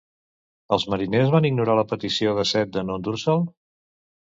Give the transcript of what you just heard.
Els mariners van ignorar la petició d'Acet de no endur-se'l?